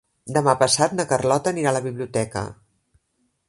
Demà passat na Carlota anirà a la biblioteca.